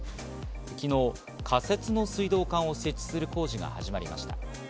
昨日、仮設の水道管を設置する工事が始まりました。